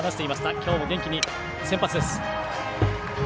今日も元気に先発です。